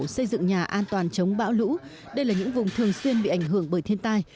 xây dựng nhà an toàn chống bão lũ đây là những vùng thường xuyên bị ảnh hưởng bởi thiên tai